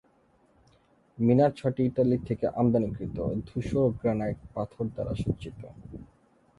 মিনার ছয়টি ইতালি থেকে আমদানিকৃত ধূসর গ্রানাইট পাথর দ্বারা সজ্জিত।